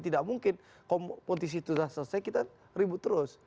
tidak mungkin kompetisi itu sudah selesai kita ribut terus